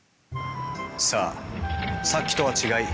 さあさっきとは違い